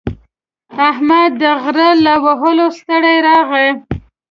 احمد د غره له وهلو ستړی راغی.